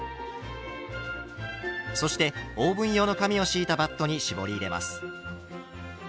そしてオーブン用の紙を敷いたバットに絞り入れます。